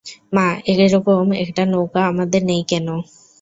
মা, এরকম একটা নৌকা আমাদের নেই কেন?